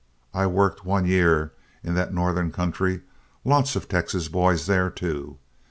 I worked one year in that northern country lots of Texas boys there too.